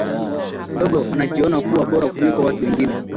ndogo wanajiona kuwa bora kuliko watu wengine